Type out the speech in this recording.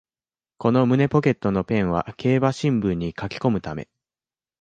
この胸ポケットのペンは競馬新聞に書きこむため